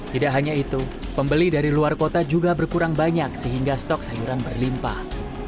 tidak hanya itu pembeli dari luar kota juga berkurang banyak sehingga stok sayuran berlimpah